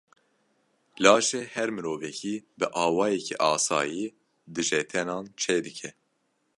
Laşê her mirovekî bi awayekî asayî dijetenan çê dike.